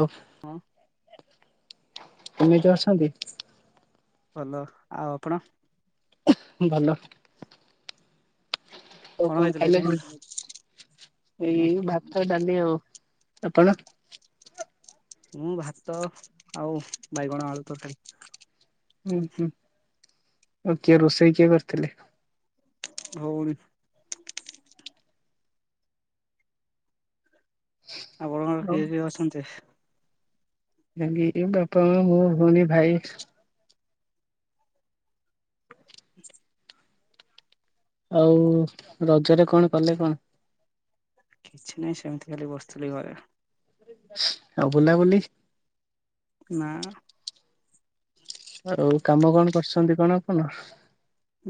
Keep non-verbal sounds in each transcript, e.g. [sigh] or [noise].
ହାଲ, ହଁ କେମିତି ଅଛନ୍ତି? ଭଲ ଆଉ ଆପଣ। ଭଲ। ଆଉ କଣ ଖାଇଥିଲେ ଖାଇଲେ ଆଜି? କଣ ଏଇ ଭାତ ଡାଲି ଆଉ ଆପଣ। ମୁଁ ଭାତ ଆଉ ବାଇଗଣ ଆଳୁ ତରକାରି। ହୁଁ ହୁଁ ଆଉ କିଏ ରୋଷେଇ କିଏ କରିଥିଲେ। ହଉନି ଆପଣଙ୍କ ଘରେ ଆଉ କିଏ କିଏ ଅଛନ୍ତି? ବାପା, ମା, ମୁଁ, ଭଉଣୀ ଭାଇ। [inaudible] ଆଉ ରଜରେ କଣ କଲେ କଣ କିଛି ନାହିଁ ସେମିତି ଖାଲି ବସିଥିଲି ଘରେ ଆଉ ବୁଲାବୁଲି ନାଁ ଆଉ କାମ କଣ କରୁଛନ୍ତି କଣ ଆପଣ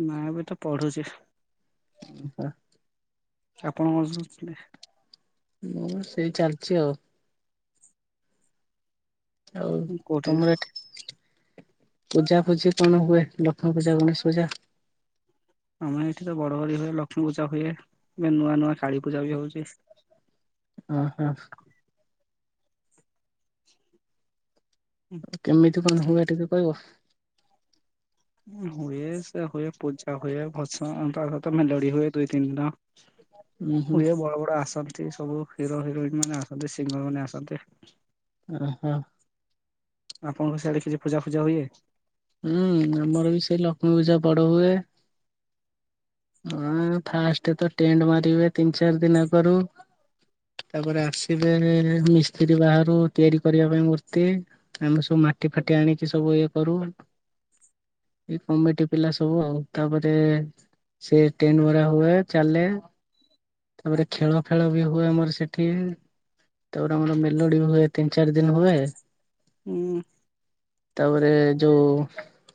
ନାଁ ଏବେ ତ ପଢୁଛି। [unintelligible] ଆପଣ ସ [unintelligible] ମୁଁ ସେଇ ଚାଲିଛି ଆଉ ଆଉ କୋଉଠି ତମର ଏଠି ପୂଜା ପୂଜି କଣ ହୁଏ ଲକ୍ଷ୍ମୀ ପୂଜା ଗଣେଶ ପୂଜା ଆମ ଏଠି ତ ବଡ଼ ବଡ଼ି ହୁଏ ଲକ୍ଷ୍ମୀ ପୂଜା ହୁଏ ଏ ନୂଆ ନୂଆ କାଳୀ ପୂଜା ବି ହଉଛି। ଓହୋ କେମିତି କଣ ହୁଏ ଟିକେ କହିବ। ହୁଏ ସେ ହୁଏ ପୂଜା ହୁଏ ଭତ୍ସ ତା ସହିତ ମେଲଡି ହୁଏ ଦୁଇ ତିନି ଦିନ ଉୁଁ ହୁଁ ହୁଏ ବଡ ବଡ ଆସନ ଅସନ୍ତି ସବୁ ହିରୋ ହିରୋଇନ୍ ମାନେ ଆସନ୍ତି ସିଙ୍ଗର ମାନେ ଆସନ୍ତି। ଓହୋ ଆପଣଙ୍କ ସିଆଡେ କିଛି ପୂଜା ଫୂଜା ହୁଏ। ହୁଁ ଆମର ବି ସେ ଲକ୍ଷ୍ମୀ ପୂଜା ବଡ ହୁଏ। ହଁ ଫାଷ୍ଟ ତ ଟେଣ୍ଟ ମାରିବେ ତିନି ଚାରି ଦିନ୍ ଆଗରୁ। ତାପରେ ଆସିବେ ମିସ୍ତ୍ରୀ ବାହାରୁ ତିଆରି କରିବା ପାଇଁ ମୂର୍ତ୍ତି। ଆମେ ସବୁ ମାଟି ଫାଟି ଆଣିକି ସବୁ ଇଏ କରୁ। ଏଇ କମିଟି ପିଲା ସବୁ ଆଉ ତାପରେ ସେ ଟେଣ୍ଡ ମରା ହୁଏ ଚାଲେ ତାପରେ ଖେଳ ଫେଳ ବି ହୁଏ ଆମର ସେଠି ତାପରେ ଆମର ମେଲୋଡି ହୁଏ ତିନି ଚାରି ଦିନ ହୁଏ। ହୁଁ। ତାପରେ ଯୋଉ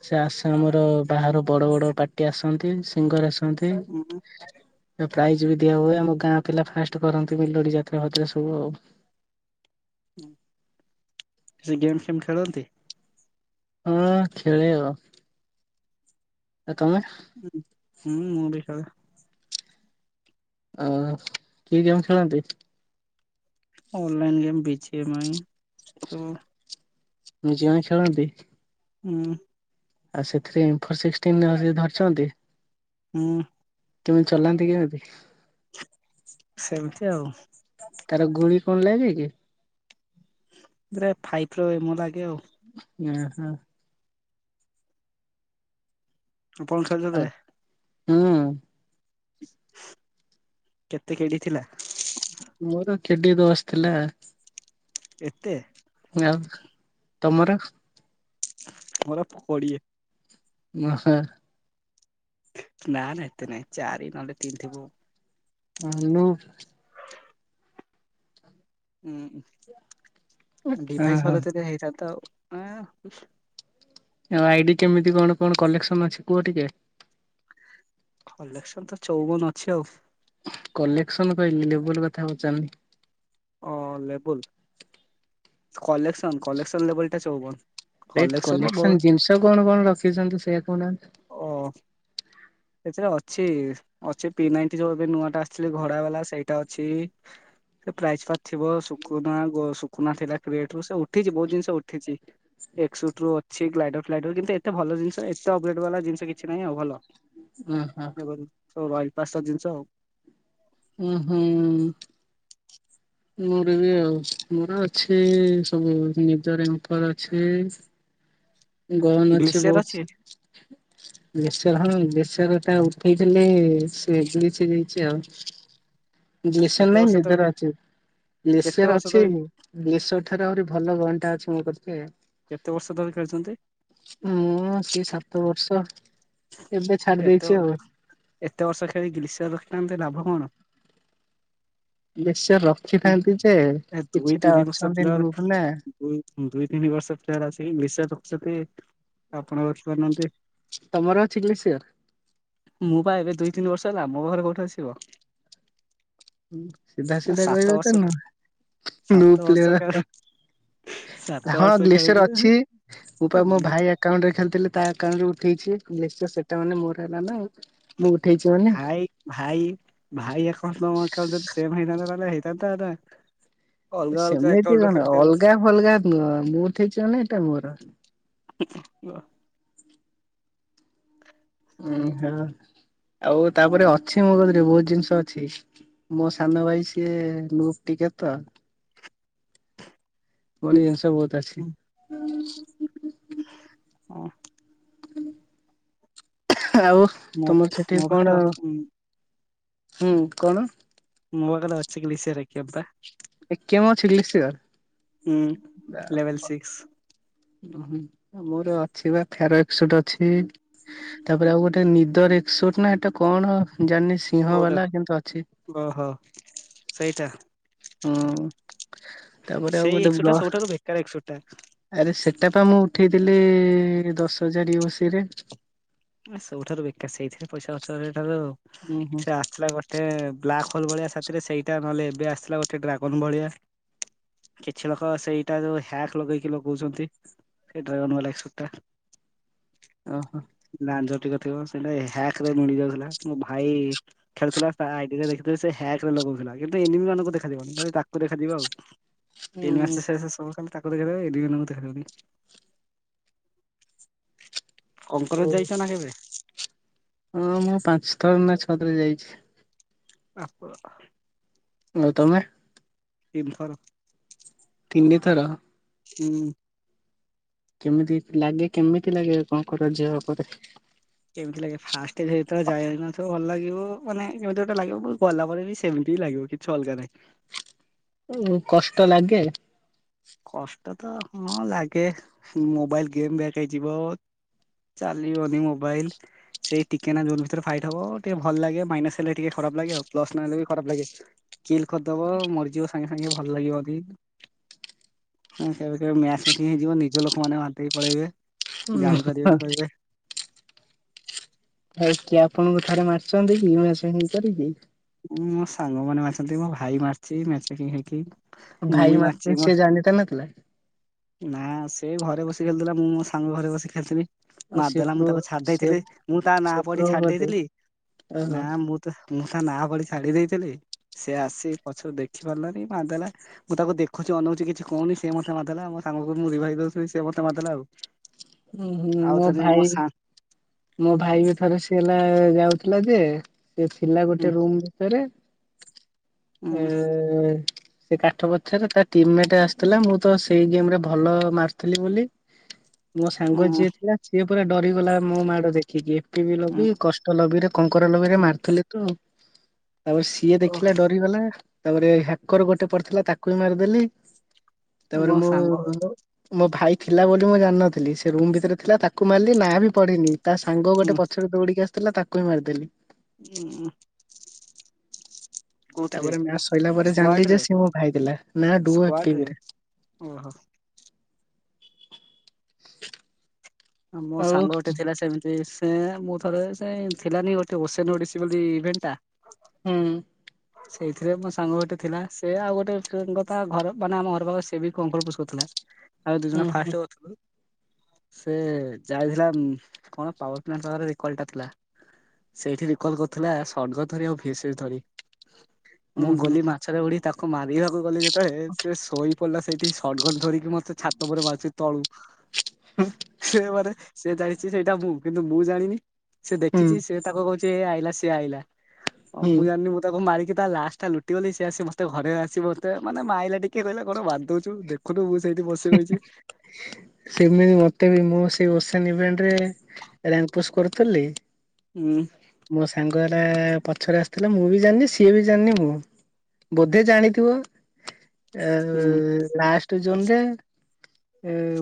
ସେ ଆସାମର ବାହାରୁ ବଡ ବଡ ପାଟି ଆସନ୍ତି। ସିଙ୍ଗର ଆସି ଏମିତି ଉଁ ଦ ପ୍ରାଇଜ ବି ଦିଆ ହୁଏ, ଆମ ଗାଁ ପିଲା ଫାଷ୍ଟ କରନ୍ତି ମେଲଡି ଯାତ୍ରା ଫାତ୍ରା ସବୁ ଆଉ। ହୁଁ, ସେ ଗେମ୍ ଫେମ୍ ଖେଳନ୍ତି? ହଁ, ଖେଳେ ଆଉ। ତମେ? ହୁଁ, ହୁଁ ମୁଁ ବି ଖେଳେ। ଅ କି ଗେମ୍ ଖେଳନ୍ତି? ଅନଲାଇନ୍ ଗେମ ବି ଜି ଏମ ଆଇ [unintelligible] ଆଇ ଖେଳନ୍ତି? ଉଁ, ଆଉ ସେଥିରେ ଇନଫୋ ସିକସଟିନ ଧରିଛନ୍ତି? ଉଁ, କେମିତି ଚଲାନ୍ତି କେମିତି? ସେମିତି ଆଉ। ତାର ଗୁଣି କଣ ଲାଗେ କି? [unintelligible] ଫାଇ ର ଏମ ଲାଗେ ଆଉ। ଉଁହୁଁ। [unintelligible] ଖେଳ ଅ ଦେବେ। ହୁଁ। ହୁଁ କେତେ କେଡି ଥିଲା? ମୋର କେଡି ଦସ ଥିଲା। ଏତେ? ଆଉ ତମର? ମୋର କୋଡିଏ। ଓହୋ। ନା ନା ଏତେ ନାଇଁ ଚାରି ନହେଲେ ତିନି ଥିବ। ଆ [unintelligible] ହୁଁ ଡିଭାଇସ ଓହୋ ଭଲ [unintelligible] ଆଉ ଆଇଡି କେମିତି କଣ କଣ କଲେକ୍ସନ ଅଛି କୁହ ଟିକେ? କଲେକ୍ସନ ତ ଚଉବନ ଅଛି ଆଉ। କଲେକ୍ସନ କହିଲି ଲେବୁଲ କଥା ପଚାରିଲି? ଅ ଲେବଲୁ? କଲେକ୍ସନ୍, କଲେକ୍ସନ ଲେବଲ ଟା ଚଉବନ। [unintelligible] କଲେକ୍ସନରେ କଲେସ ବହୁତ ଜିନିଷ କଣ କଣ ରଖିଛନ୍ତି ସେୟଆ କହୁନାହାନ୍ତି। ଓ। ସେଥିରେ ଅଛି ଅଛି ପିନାଇଟ ଯୋଉ ଏବେ ନୂଆ ଟା ଆସିଥିଲି ଘଡା ବାଲା ସେଇଟା ଅଛି। ସେ ପ୍ରାଇଜ ପାର୍ ଥିବ ସୁଖନା ସୁକୁନା ଥିଲା [unintelligible] ସେ ଉଠିଛି ବହୁତ ଜିନିଷ ଉଠିଛି। ଏକ ସୁଟ ରୁ ଅଛି ଗ୍ଲାଇଡର ଫ୍ଲାଇଡର କିନ୍ତୁ ଏତେ ଭଲ ଜିନିଷ ଏତେ ଅପଗଡେଟ୍ ବାଲା ଜିନଷ କିଛି ନାହିଁ ଆଉ ଭଲ। ହଁ, ହଁ। ତୋ ବାଇପାସର ଜିନିଷ ଆଉ। ଓହୋ। ମୋର ବି ଆଉ ମୋର ଅଛି ସବୁ ନିଜରେଙ୍କର ଅଛି, ଗରମ ଅଛି ବହୁତ, ବେସର ହଁ ବେସର ଟା ଉଠେଇଥିଲେ ସେ [unintelligible] ସେ ଯାଇଛି ଆଉ। ଗ୍ଲିସର୍ କେତେ ନାଇଁ ବର୍ଷ ତ ନିଦରେ ଅଛି କେତେ ଗ୍ଲିସର ବର୍ଷ ଅଛି। ଧରି ଗ୍ଲିଶର ଠାରୁ ଆହୁରି ଭଲ ଘଣ୍ଟା ଅଛି ମୋ କତିରେ। କେତେ ବର୍ଷ ଧରି ଖେଳୁଚନ୍ତି? ହଁ ସେଇ ସାତ ବର୍ଷ। ଏବେ ଛାଡି ଏତେ ଦେଇଛି ଆଉ। ଏତେ ବର୍ଷ ଖେଳି ଗ୍ରୀଷର ରଖିଚନ୍ତି ଲାଭ କଣ? ନିଶ୍ଚ ରଖିଥାନ୍ତି ଯେ କିଛିଟା ଅଛନ୍ତି ନୁ ମାନେ ଦୁ ଦୁଇ ତିନି ବର୍ଷ ପ୍ଲେୟର ଆସିକି ଗ୍ରିସର୍ ରଖୁଚନ୍ତି। ଆପଣ ରଖିପାରୁନାହାନ୍ତି? ତମର ଅଛି ଗ୍ଲିସୟାର୍? ମୁଁ ବା ଏବେ ଦୁଇ ତିନି ବର୍ଷ ହେଲା ମୋ ଘରେ କୋଉଠି ଆସିବ? ସିଧା ସିଧା ସାତ କହିବେ ବର୍ଷ ତ ନୁହ ସାତ ଲୁପ ରେ ବର୍ଷ କା ରଖ। ସାତ ହଁ ବର୍ଷ ଗ୍ଲେସିୟର ଅଛି ଖେଳୁଛୁ ମୋ ପା ମୋ ଭାଇ ଏକାଉଣ୍ଟରେ ଖେଲିଥିଲେ ତା ଆକାଉଣ୍ଟରେ ଉଠେଇଚି। ନିଶ୍ଚୟ ସେଟା ମାନେ ତ ମୋର ହେଲା ନା? ମୁଁ ଉଠେଇଚି ମାନେ ଭାଇ ଭାଇ ଭାଇ ଏକାଉଣ୍ଟ ମୋ ଏକାଉଣ୍ଟ ଯଦି ସେମ ହୋଇଥାନ୍ତା ତାହାଲେ ହେଇଥାନ୍ତା ଏଟା ସେମିତି କଣ ଅଲଗା ଫଲଗା ନୁହ। ମୁଁ ଉଠେଇଚି ମାନେ ଏଇଟା ମୋର। କୁହ। ଉହୋ ଆଉ ତାପରେ ଅଛି ମୋ କରେ ବହୁତ ଜିନିଷ ଅଛି। ମୋ ସାନ ଭାଇ ସିଏ ଲୁପ ଟିକେ ତ। ଅଳିଆ ଜିନିଷ ବହୁତ ଅଛି। ହୁଁ, ହଁ ଆଉ ମୋ ତମର ସେଠି ମୋ ପାଖରେ କଣ ଉଁ, ହୁଁ କଣ? ମୋ ପାଖରେ ଅଛି ଗ୍ଲିଶର ଏରିକା ବା। ଏକେ ମୁ [unintelligible] ହୁଁ ଲେଭେଲ ସିକ୍ସ। ଉ ହୁଁ ମୋର ଅଛି ବା ଫେରକ୍ସ ଗୋଟେ ଅଛି। ତାପରେ ଆଉ ଗୋଟେ ନିଦ ରେକ୍ସ ଗୋଟେ ନା ଏଟା କଣ ଜାଣିନି ସିଂହ କୋଉଟା ବାଲା କିନ୍ତୁ ଅଛି। ଓହୋ ସେଇଟା। ହଁ। ତାପରେ ଆଉ ସେଇ ଗୋଟେ ଏକଶ ବ୍ଲ ଟା ସବୁଠାରୁ ବେକାର ଏକଶ ଗୋଟା। ଆରେ ସେଟାପା ମୁଁ ଉଠେଇଥିଲି ଦଶ ହଜାର ୟୁ ଏ ସିରେ। ସବୁଠାରୁ ବେକାର। ସେଇଥିରେ ପଇସା ଖର୍ଚଠାରୁ ଉଁ ହୁଁ ସେ ଆସିଲା ବ ଏତେ ବ୍ଲାକ୍ ହୋଲ ଭଳିଆ ସେଥିରେ ସେଇଟା ନହେଲେ ଏବେ ଆସିଲା ଗୋଟେ ଡ୍ରାଗନ୍ ଭଳିଆ। କିଛି ଲୋକ ସେଇଟା ଯୋଉ ହ୍ୟାକ୍ ଲଗେଇକି ଲଗଉଚନ୍ତି ସେଇଟା ନହେଲେ ଛୋଟ। ଓହୋ। ଲାଞ୍ଜ ଟିକ ଥିବ ସେଇଟା ହ୍ୟାକରେ ମିଳିଯାଉଥିଲା ମୋ ଭାଇ ଖେଳୁଥିଲା ତା ଆଇଡିରେ ଦେଖିଥିଲେ ସେ ହ୍ୟାକ ରେ ଲଗଉଥିଲା। ଏବେ ଏନିମି ମାନଙ୍କୁ ଦେଖାଯିବନି ଖାଲି ତାକୁ ଦେଖାଯିବ ଆଉ। [unintelligible] ତିନି ହୁଁ ମାସ ଶେଷ ସବୁ ଖାଲି ତାକୁ ଦେଖିଦେବ ଏ [unintelligible] କଲେଜ ଓ ଯାଇଚ ନା କେବେ? ହଁ ମୁଁ ପାଞ୍ଚ ଥର ନା ଛଅ ଥର ଯାଇଚି। ଆପ ଆଉ ତମେ? ତିନଥର। ତିନି ଥର। ହୁଁ। କେମିତି ଲାଗେ କେମିତି ଲାଗେ କଣ କର ଝିଅ କରେ? କେମିତି ଲାଗେ ଫାଷ୍ଟ ଯେତେବେଳେ ଯାଇନଥିବ ଭଲ ଲାଗିବ ମାନେ କେମିତି ଗୋଟେ ଲାଗିବ ଗଲା ପରେ ବି ସେମତି ବି ଲାଗିବ କି। କିଛି ଅଲଗା ନାହିଁ। ହୁଁ କଷ୍ଟ ଲାଗେ। କଷ୍ଟ ତ ହଁ ଲାଗେ ମୋବାଇଲ ଗେମ୍ ବ୍ୟାକ ହେଇଯିବ ଚାଲିିବନି ମୋବାଇଲ ସେଇ ଟିକେ ନା ଜୋନ୍ ଭିତରେ ଫାଇଟ୍ ହବ ଟିକେ ଭଲ ଲାଗେ ମାଇନାସ ହେଲେ ଟିକେ ଖରାପ ଲାଗେ ଆଉ ପ୍ଲସ ନହେଲେ ବି ଖରାପ ଲାଗେ। ଚିଲ୍ କରିଦେବ ମରିଯିବ ସାଙ୍ଗେ ସାଙ୍ଗେ ଭଲ ଲାଗିବ ବି [inaudible] ହେଇଯିବ ନିଜ ଲୋକମାନେ ମାରିଦେଇକି ପଳେଇବେ ଉଁ ଜାଣିପାରିବେନି କହିବେ ଆଉ କିଏ ଆପଣଙ୍କ ଠାରେ ମାରିଛନ୍ତି [unintelligible] ଉଁ ମୋ ସାଙ୍ଗ ମାନ ମାରିଛନ୍ତି ମୋ ଭାଇ ମାରିଛି ମେଚେକି [unintelligible] ହେଇକି। ମୁଁ ଭାଇ ବି କି ମାରିଛି ମାରୁଥିଲେ ମୋ ସେ ଜାଣି [unintelligible] ନା ସେ ଘରେ ବସି ଖେଳୁଥିଲା ମୁଁ ମୋ ସାଙ୍ଗ ଘରେ ବସି ଖେଳୁଥିଲି ଆଉ ସେ ମାରିଦେଲା ମୁଁ ପୁଅ ତାକୁ ଛାଡି ସେ ଦେଇଥିଲି ମୁଁ ତା ନାଁ ସେ ପଢି ପ୍ରୋ ଛାଡି ବୋଧେ ଦେଇଥିଲି ଓହୋ ନା ମୁଁ ମୁଁ ତା ନା ପଢ଼ି ଛାଡି ଦେଇଥିଲି ସେ ଆସି ପଛରୁ ଦେଖି ପାରିଲନି ମାରିଦେଲା ମୁଁ ତାକୁ ଦେଖୁଛି ଅନଉଛି କିଛି କହୁନି ସେ ମତେ ମାରିଦେଲା। ମୋ ସାଙ୍ଗ କୁ ମୁଁ ରିଭାଇସ୍ ଦଉଥିଲି ସେ ମତେ ମାରିଦେଲା ଆଉ। ହୁଁ ହୁଁ ଆଉ ମୋ ଥରେ ଭାଇ ସା ମୋ ଭାଇ ବି ଥରେ ସିଏ ହେଲା ଯାଉଥିଲା ଯେ ସେ ଥିଲା ଉଁ ଗୋଟେ ରୁମ ଭିତରେ ଉଁ ଏ ଏ ସେ କାଠ ପଛରେ ତା ଟିମ ମେଟ ଆସିଥିଲା ମୁଁ ତ ସେଇ ଗେମ ରେ ଭଲ ମାରିଥିଲି ବୋଲି ମୋ ସାଙ୍ଗ ଉଁ ଯିଏ ଥିଲା ସିଏ ପୁରା ଡରିଗଲା ମୋ ମାକୁ ଉଁ [unintelligible] କଷ୍ଟ ଲବିରେ କଙ୍କରା ଲବିରେ ଉଁ ମାରୁଥିଲେ ତ। ତାପରେ ସିଏ ଓ ଦେଖିଲା ଡରିଗଲା ତାପରେ ହ୍ୟାକର ଗୋଟେ ପଡିଥିଲା ତାକୁ ବି ମାରିଦେଲି ତାପରେ ମୋ ମୁଁ ସାଙ୍ଗ ମୋ ଭାଇ ଥିଲା ବୋଲି ମୁଁ ଜାଣିନଥିଲି ସେ ରୁମ୍ ଭିତରେ ଥିଲା ତାକୁ ମାରିଲି ନାଁ ବି ପଢ଼ିନି ତା ସାଙ୍ଗ ଗୋଟେ ଉଁ ପଛରେ ଦୌଡ଼ିକି ଆସିଥିଲା ତାକୁ ବି ମାରିଦେଲି ହୁଁ। ତାପରେ ମା ଶୋଇଲା ପରେ ଜାଣିଲି ଯେ ସ [unintelligible] ମ ଭାଇ ଦେଲା ନାଡୁରେ ସ୍କ୍ୱାଡରେ ଓହୋ। ଆଉ ମୋ ସାଙ୍ଗ ଗୋଟେ ଥିଲା ସେମିତି ସେ ସେ ମୁଁ ଥରେ ସେ ଥିଲାନି ଗୋଟେ ଓସେନ ଓଡିଶୀ ବୋଲି ଇଭେଣ୍ଟ ଟା ହୁଁ। ସେଇଥିରେ ମୋ ସାଙ୍ଗ ଗୋଟେ ଥିଲା ସେ ଆଉ ଗୋଟେ ଙ୍କ ତା ଘର ମାନେ ଆମ ଘର ପାଖରେ ସେ ବି କଙ୍କର ପୋଷକରୁଥିଲା। [unintelligible] ଆଉ ଦୁଇ ହୁଁ ଜଣ ହୁଁ ଫାଷ୍ଟ କରିଥିଲୁ ସେ ଯାଇଥିଲା କଣ ପାୱାର ପ୍ଲାଣ୍ଟ ପାରେ ରିକଲ ଟା ଥିଲା ସେଇଠି ରିକଲ କରୁଥିଲା ସଷର୍ଗ ଧରି ଆଉ ଭିସ ଧରି [unintelligible] ହୁଁ ମୁଁ ହୁଁ ଗଲି ମାଛରେ ଉଢି ତାକୁ ମାରିବାକୁ ଗଲି ଯେତେବେଳେ ସେ ଶୋଇ ପିଲା ସେଇଠି ସଟଗଟ ଧରିକି ମତେ ଛାତ ଉପରେ ମା [unintelligible] ରୁୁଛି ତଳୁ ହୁଁ ସେ ସେ ଯାଇଛି ସେଇଟା ମୁଁ କିନ୍ତୁ ମୁଁ ଜାଣିନି ସେ ହୁଁ ଦେଖିଛି ସେ ତାକୁ କହୁଛି ଏ ଆଇଲା ସିଏ ଆଇଲା ହୁଁ ମୁଁ ଜାଣିନି ମତେ ତାକୁ ମାରିକି ତା ଲାଷ୍ଟ ଟା ଲୁଟିଗଲି ସିଏ ଆସି ମତେ ଘରେ ଆସି ମତେ ମାନେ ମ ଆଲା [unintelligible] ଟିକେ ରହିଲା ଘଣ ବାଧ ଦଉୁ ଦେଖୁ ପୁ ମୁ [unintelligible] ସେଇଠି ବସି ରହିଛି ସେମିତି ମତେ ବି ମୁଁ ସେଇ [unintelligible] ସଭେଣ୍ଟ ରେ ରଙ୍ଗ [unintelligible] ପୁସ୍ କରିଥିଲିଲି ହୁଁ। ମୋ ସାଙ୍ଗ ହେଲା ପଛରେ ଆସୁଥିଲା ମୁଁ ବି ଜାଣିନି ସିଏ ବି ଜାଣିନି ମୁଁ ବୋଧେ ଜାଣିଥିବ ହୁଁ ଲାଷ୍ଟ ଜୁନ ରେ?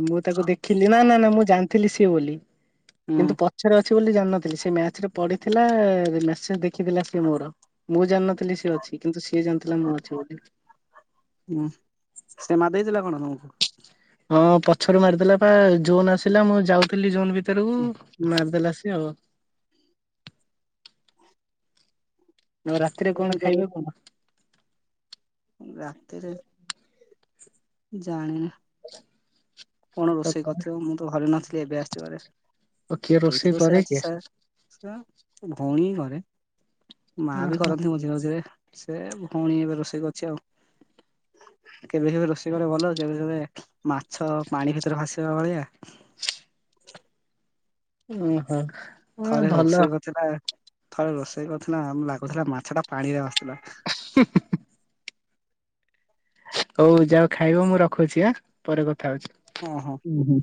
ମୁଁ ତାକୁ ଦେଖିଲି ନା ନା ନା ମୁଁ ଜାଣିଥିଲି ସିଏ ବୋଲି ହୁଁ କିନ୍ତୁ ପ ପଛରେ ଅଛି ବୋଲି ଜାଣିନଥିଲି ସେ ମ୍ୟାଚ ରେ ପଡିଥିଲା ମେସେଜ ଦେଖିଥିଲା ସେ ମୋର। ମୁଁ ଜାଣିନଥିଲି ସିଏ ଅଛି କିନ୍ତୁ ସିଏ ଜାଣିଥିଲା ମୁଁ ଅଛି ବୋଲି। ହୁଁ ସେ ମା ଦେଇଥିଲା କଣ ତମକୁ। ହଁ ପଛରୁ ମାରିଦେଲା ପା ଜୋନ୍ ଆସିଲା ମୁଁ ଯାଉଥିଲି ଜୁନ୍ ଭିତରକୁ ମାରିଦେଲା ସିଏ ଆଉ ଆ ରାତିରେ କଣ ଖାଇବେ କଣ। ରାତିରେ ଜାଣିନା। [unintelligible] କଣ ରୋଷେଇ କରିଥିବ ମୁଁ ତ ଘରେ ନଥିଲି ଏବେ ଆସଚିବାରେ ଆଉ କିଏ ରୋଷେଇ ହେଇଥିବ ସେ କରେ ଆଜି କିଏ? ସାର୍ ସେ ଭଉଣୀ ବି କରେ ମା ବି କରନ୍ତି ମଝିରେ ମଝିରେ। ସେ ଭୋଉଣି ଏବେ ରୋଷେଇ କରିଚି ଆଉ କେବେ କେବେ ରୋଷେଇ କରେ ଭଲ କେବେ କେବେ ମାଛ ପାଣି ଭିତରେ ଭାସିବା ଭଳିଆ। ଓ ହୋ। ଥରେ ରୋଷେଇ କରୁଥିଲା ଥରେ ରୋଷେଇ କରୁଥିଲା ଆମ ଲାଗୁଥିଲା ମାଛ ଟା ପାଣିରେ ଭାସଥିଲା। ହଁ ହଉ ଯାଅ ଖାଇବ ମୁଁ ରଖୁଚି ଆ ପରେ କଥା ହଉଚି। ଓ ହୋ। ଉଁ ହୁଁ।